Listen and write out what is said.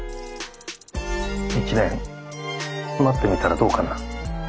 １年待ってみたらどうかな？